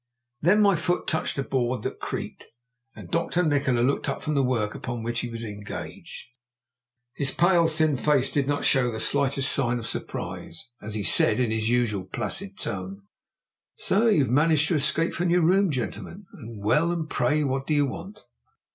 Then my foot touched a board that creaked, and Dr. Nikola looked up from the work upon which he was engaged. His pale, thin face did not show the slightest sign of surprise as he said, in his usual placid tone, "So you have managed to escape from your room, gentlemen. Well, and pray what do you want?"